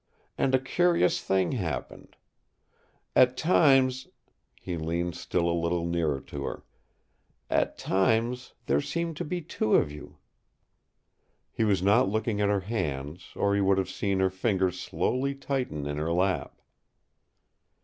And a curious thing happened. At times " he leaned still a little nearer to her "at times there seemed to be two of you!" He was not looking at her hands, or he would have seen her fingers slowly tighten in her lap.